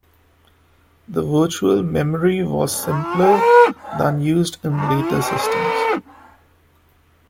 The virtual memory was simpler than used in later systems.